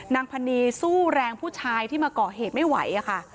นางพนีสู้แรงผู้ชายที่มาก่อเหตุไม่ไหวค่ะ